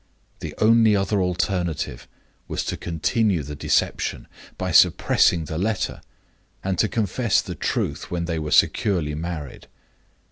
The only other alternative was to continue the deception by suppressing the letter, and to confess the truth when they were securely married.